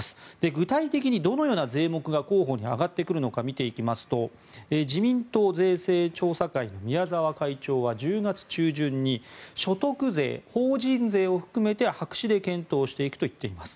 具体的にどのような税目が候補に挙がってくるのか見ていきますと自民党税制調査会の宮沢会長は１０月中旬に所得税、法人税を含めて白紙で検討していくと言っています。